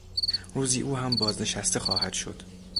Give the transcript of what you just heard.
روزی او هم بازنشسته خواهد شد.